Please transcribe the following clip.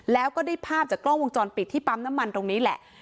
แล้วก็ได้ภาพจากกล้องวงจรปิดที่ปั๊มน้ำมันตรงนี้แหละ